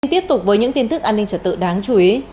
tiếp tục với những tin tức an ninh trật tự đáng chú ý